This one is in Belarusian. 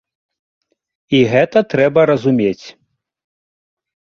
І гэта трэба разумець.